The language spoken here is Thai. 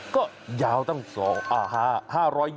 ก็ยาวตั้ง๒อ่าหา